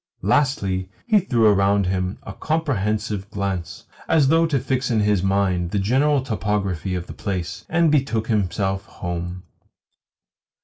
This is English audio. Lastly, he threw around him a comprehensive glance (as though to fix in his mind the general topography of the place) and betook himself home.